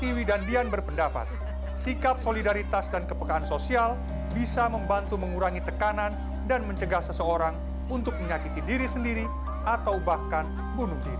tiwi dan dian berpendapat sikap solidaritas dan kepekaan sosial bisa membantu mengurangi tekanan dan mencegah seseorang untuk menyakiti diri sendiri atau bahkan bunuh diri